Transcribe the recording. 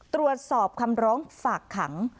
ตรวจสอบคำร้องฝากขัง